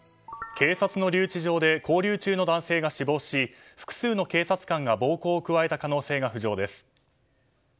警察の留置場で勾留中の男性が死亡し複数の警察官が暴行を加えた可能性が浮上です。